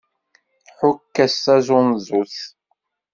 Ḥukk-as taẓunẓut!